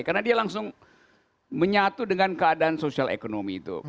karena dia langsung menyatu dengan keadaan sosial ekonomi itu